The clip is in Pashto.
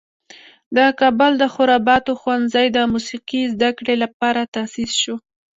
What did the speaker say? د کابل د خراباتو ښوونځی د موسیقي زده کړې لپاره تاسیس شو.